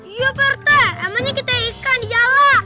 iya prt emangnya kita ikan dijalo